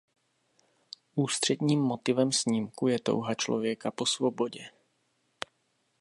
Ústředním motivem snímku je touha člověka po svobodě.